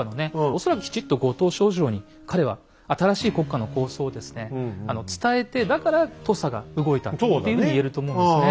恐らくきちっと後藤象二郎に彼は新しい国家の構想をですね伝えてだから土佐が動いたっていうふうに言えると思うんですね。